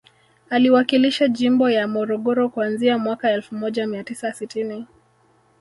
Aliwakilisha jimbo ya Morogoro kuanzia mwaka elfu moja mia tisa sitini